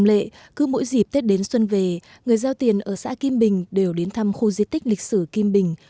trong lệ cứ mỗi dịp tết đến xuân về người giao tiền ở xã kim bình đều đến thăm khu di tích lịch sử kim bình